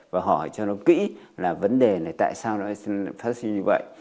và hỏi cho nó kỹ là vấn đề này tại sao nó phát sinh như vậy